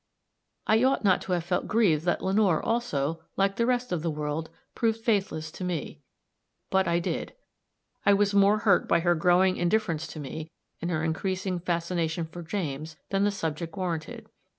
I ought not to have felt grieved that Lenore, also, like the rest of the world, proved faithless to me. But I did. I was more hurt by her growing indifference to me and her increasing fascination for James than the subject warranted.